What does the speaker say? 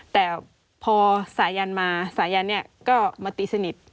แต่พอสายันมาสายันเนี่ยก็มาตีสนิท